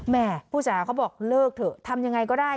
แหม่ผู้เสียเขาบอกเลิกเถอะทำอย่างไรก็ได้